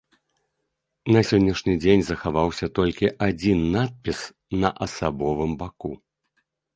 На сённяшні дзень захаваўся толькі адзін надпіс на асабовым баку.